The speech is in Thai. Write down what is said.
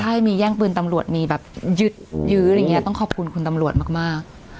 ใช่มีแย่งปืนตำรวจมีแบบยึดยื้ออะไรอย่างนี้ต้องขอบคุณคุณตำรวจมาก